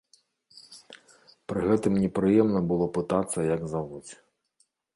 Пры гэтым непрыемна было пытацца як завуць.